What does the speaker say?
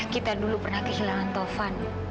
kita dulu pernah kehilangan tovan